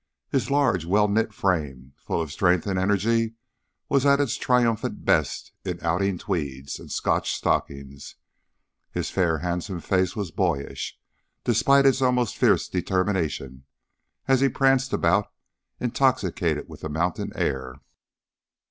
His large well knit frame, full of strength and energy, was at its triumphant best in outing tweeds and Scotch stockings; his fair handsome face was boyish, despite its almost fierce determination, as he pranced about, intoxicated with the mountain air.